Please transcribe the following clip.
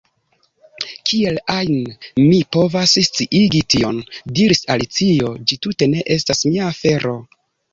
"Kiel ajn mi povas sciigi tion?" diris Alicio, "ĝi tute ne estas mia afero."